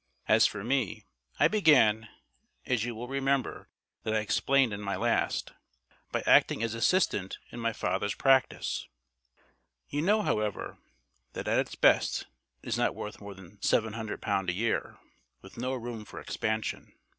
As for me I began, as you will remember that I explained in my last, by acting as assistant in my father's practice. You know, however, that at its best it is not worth more than L700 a year, with no room for expansion.